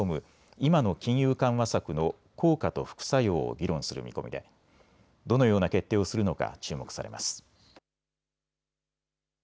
今の金融緩和策の効果と副作用を議論する見込みでどのような決定をするのか注目されます。